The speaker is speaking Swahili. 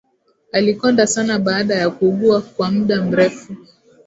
Alikonda sana baada ya kuugua kwa muda mrefu